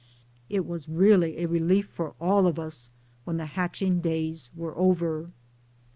It was really a relief for all of us when the hatching days were over.